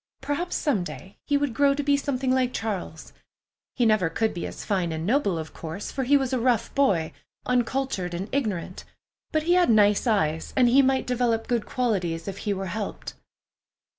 Perhaps some day he would grow to be something like Charles. He never could be as fine and noble, of course, for he was a rough boy, uncultured and ignorant; but he had nice eyes, and he might develop good qualities if he were helped.